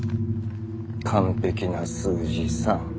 完璧な数字３。